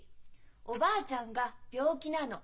おばあちゃんが病気なの。